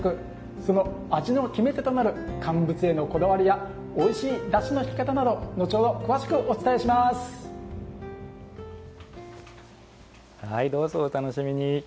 その味の決め手となる乾物へのこだわりやおいしいだしの引き方などどうぞお楽しみに。